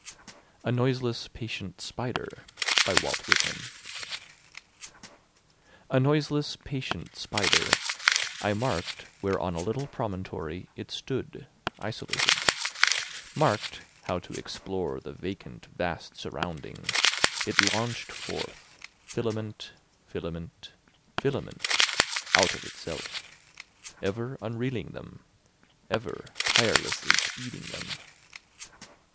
A Noiseless Patient Spider A noiseless patient spider, I mark'd where on a little promontory it stood isolated, Mark'd how to explore the vacant vast surrounding, It launch'd forth filament, filament, filament out of itself, Ever unreeling them, ever tirelessly speeding them.